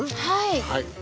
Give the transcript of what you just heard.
はい。